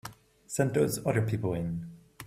Send those other people in.